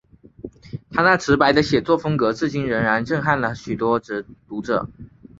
他那直白的写作风格至今仍然震撼了很多读者。